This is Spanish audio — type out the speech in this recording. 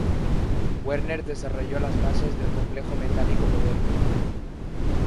Werner desarrolló las bases del complejo metálico moderno.